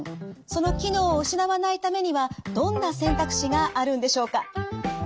その機能を失わないためにはどんな選択肢があるんでしょうか？